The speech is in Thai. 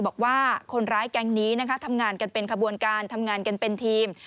บอกว่าคนร้ายแกงนี้ทำงานเป็นขบวนการทำงานเป็นทีม